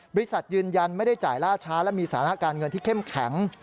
ยืนยันไม่ได้จ่ายล่าช้าและมีสถานะการเงินที่เข้มแข็ง